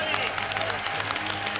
ありがとうございます！